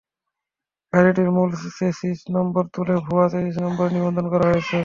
গাড়িটির মূল chassis number তুলে ভুয়া চেসিস নম্বরে নিবন্ধন করা হয়েছে।